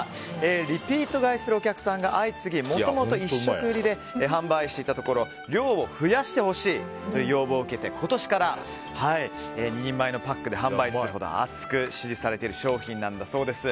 リピート買いするお客さんが相次ぎもともと１食売りで販売していたところ量を増やしてほしいという要望を受けて、今年から２人前のパックで販売するほど熱く支持されている商品なんだそうです。